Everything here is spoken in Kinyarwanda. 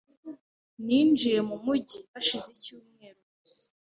Ninjiye mu mujyi hashize icyumweru gusa .